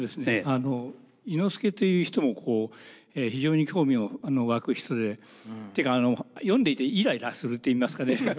あの伊之助という人も非常に興味を湧く人でというか読んでいてイライラするといいますかね